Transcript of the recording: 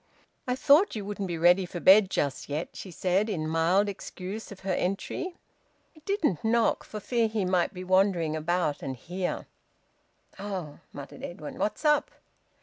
"I thought you wouldn't be ready for bed just yet," she said, in mild excuse of her entry. "I didn't knock, for fear he might be wandering about and hear." "Oh!" muttered Edwin. "What's up?"